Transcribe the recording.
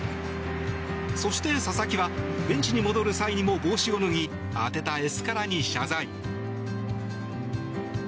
そして佐々木はベンチに戻る際にも帽子を脱ぎ当てたエスカラに謝罪。